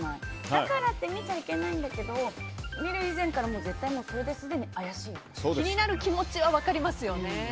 だからって見ちゃいけないんだけど見る以前から絶対気になる気持ちは分かりますよね。